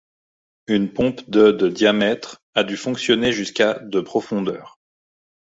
Une pompe de de diamètre a dû fonctionner jusqu'à de profondeur.